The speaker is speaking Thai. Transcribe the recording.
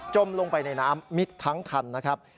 ลงไปในน้ำมิดทั้งคันนะครับ